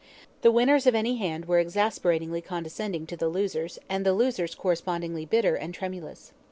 The winners of any hand were exasperatingly condescending to the losers, and the losers correspondingly bitter and tremulous.